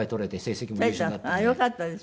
よかったです